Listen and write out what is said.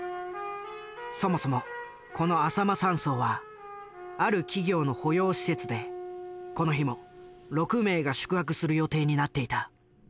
そもそもこのあさま山荘はある企業の保養施設でこの日も６名が宿泊する予定になっていた。